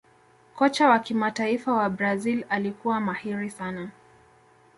kocha wa kimataifa wa Brazil alikuwa mahiri sana